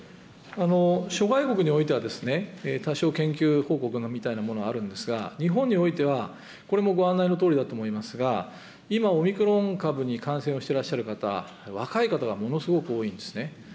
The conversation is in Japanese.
諸外国においては、多少、研究報告みたいなものはあるんですが、日本においては、これもご案内のとおりだと思いますが、今、オミクロン株に感染をしてらっしゃる方、若い方がものすごく多いんですね。